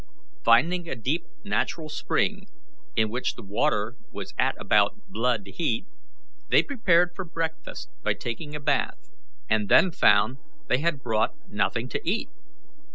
Finding a deep natural spring, in which the water was at about blood heat, they prepared for breakfast by taking a bath, and then found they had brought nothing to eat.